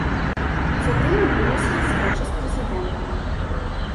Затым адбылася сустрэча з прэзідэнтам.